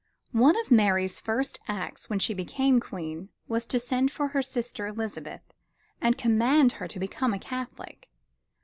One of Mary's first acts when she became Queen was to send for her sister Elizabeth and command her to become a Catholic.